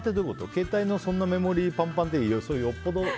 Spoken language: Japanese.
携帯のメモリそんなパンパンってよっぽど。